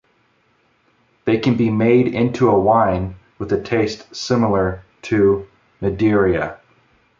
They can be made into a wine with a taste similar to Madeira.